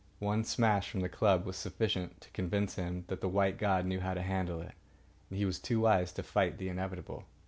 One smash from the club was sufficient to convince him that the white god knew how to handle it, and he was too wise to fight the inevitable.